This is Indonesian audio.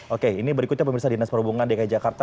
oke ini berikutnya pemirsa dinas perhubungan dki jakarta